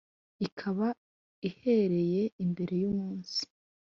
ikaba ihereye imbere y’umunsi